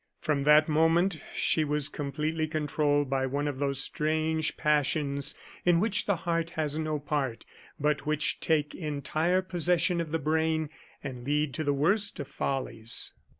From that moment she was completely controlled by one of those strange passions in which the heart has no part, but which take entire possession of the brain and lead to the worst of follies.